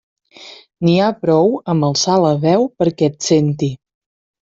N'hi ha prou amb alçar la veu perquè et senti.